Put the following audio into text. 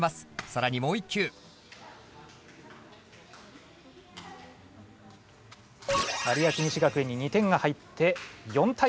さらにもう１球有明西学園に２点が入って４対０。